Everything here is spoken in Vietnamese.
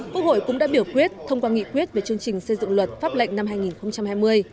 quốc hội cũng đã biểu quyết thông qua nghị quyết về chương trình xây dựng luật pháp lệnh năm hai nghìn hai mươi